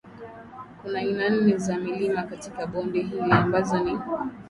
Kuna aina nne za milima katika bonde hili ambazo ni